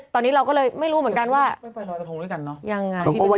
ตอนนี้เราก็เลยไม่รู้เหมือนกันว่า